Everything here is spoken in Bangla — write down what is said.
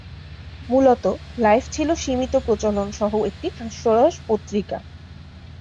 মূলত, লাইফ ছিল সীমিত প্রচলন সহ একটি হাস্যরস পত্রিকা।